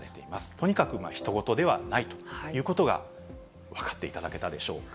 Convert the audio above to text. とにかくひと事ではないということが分かっていただけたでしょうか。